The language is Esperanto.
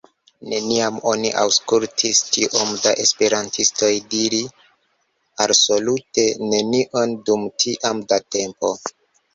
Neniam oni aŭskultis tiom da esperantistoj diri alsolute nenion dum tiam da tempo.